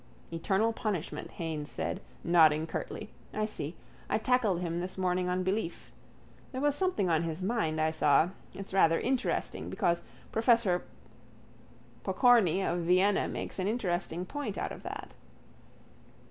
—Eternal punishment, Haines said, nodding curtly. I see. I tackled him this morning on belief. There was something on his mind, I saw. It's rather interesting because professor Pokorny of Vienna makes an interesting point out of that.